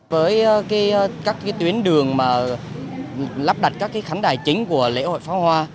với các tuyến đường lắp đặt các khánh đài chính của lễ hội phó hoa